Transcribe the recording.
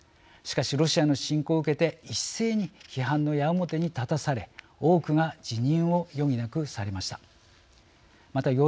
しかしロシアの侵攻を受けていっせいに批判の矢面に立たされ多くが辞任を余儀なくされました。